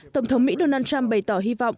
tổng thống mỹ donald trump bày tỏ hy vọng